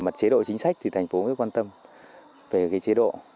mặt chế độ chính sách thì thành phố mới quan tâm về chế độ